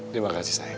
terima kasih sayang